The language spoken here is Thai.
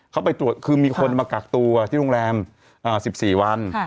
เขาไปตรวจคือมีคนมากักตัวที่โรงแรม๑๔วัน